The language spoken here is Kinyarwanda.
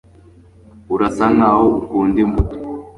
urasa nkaho ukunda imbuto